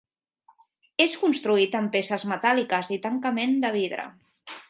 És construït amb peces metàl·liques i tancament de vidre.